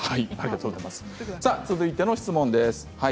続いての質問です。